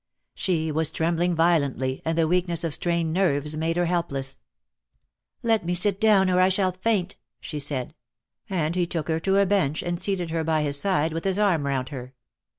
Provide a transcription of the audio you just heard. She was trembling violently, and the weakness of strained nerves made her helpless. Dead Love has Chains. IJ 258 DEAD LOVE HAS CHAINS. "Let me sit down, or I shall faint," she said, and he took her to a bench and seated her by his side, with his arm round her.